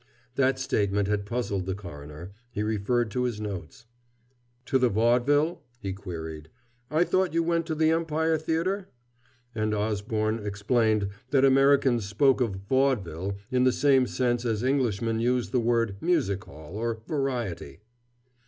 That statement had puzzled the coroner. He referred to his notes. "To the Vaudeville?" he queried. "I thought you went to the Empire Theater?" and Osborne explained that Americans spoke of "vaudeville" in the same sense as Englishmen use the word "music hall" or "variety."